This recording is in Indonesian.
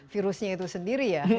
dan virusnya itu sendiri ya